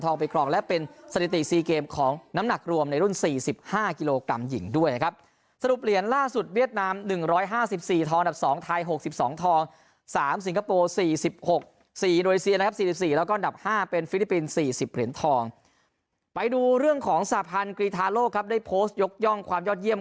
ทองไปครองและเป็นเศรษฐีสี่เกมของน้ำหนักรวมในรุ่นสี่สิบห้ากิโลกรัมหญิงด้วยนะครับสรุปเหรียญล่าสุดเวียดนามหนึ่งร้อยห้าสิบสี่ทองดับสองไทยหกสิบสองทองสามสิงคโปรสี่สิบหกสี่โดยสี่นะครับสี่สิบสี่แล้วก็ดับห้าเป็นฟิลิปปินสี่สิบเหรียญทองไปดูเรื่องของสรรพันธ์กรีธาโลกครั